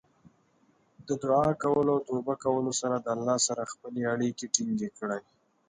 د دعا کولو او توبه کولو سره د الله سره خپلې اړیکې ټینګې کړئ.